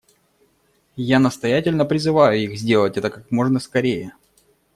Я настоятельно призываю их сделать это как можно скорее.